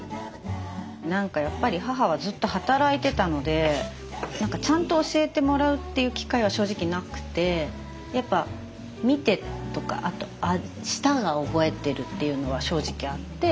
何かやっぱり母はずっと働いてたので何かちゃんと教えてもらうっていう機会は正直なくてやっぱ見てとか舌が覚えてるっていうのは正直あって。